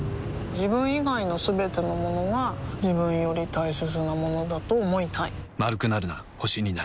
自分以外のすべてのものが自分より大切なものだと思いたい